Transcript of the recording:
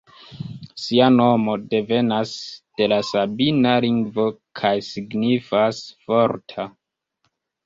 Ŝia nomo devenas de la sabina lingvo kaj signifas "forta".